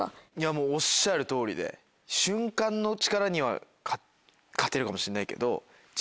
もうおっしゃる通りで瞬間の力には勝てるかもしれないけど。